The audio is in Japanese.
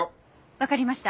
わかりました。